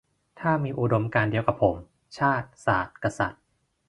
ถ้ามีอุดมการณ์เดียวกับผม ชาติ ศาสน์ กษัตริย์